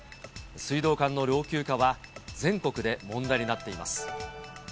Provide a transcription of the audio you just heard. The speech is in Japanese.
水道管の老朽化は全国で問題になっています。